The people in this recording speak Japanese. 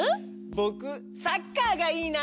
ぼくサッカーがいいな！